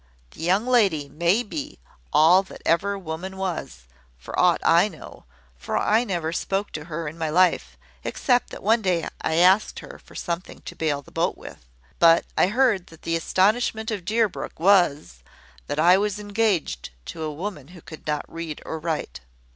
The young lady may be all that ever woman was, for aught I know, for I never spoke to her in my life, except that I one day asked her for something to bale the boat with: but I heard that the astonishment of Deerbrook was, that I was engaged to a woman who could not read or write.